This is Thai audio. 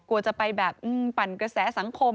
กลัวจะไปแบบปั่นกระแสสังคม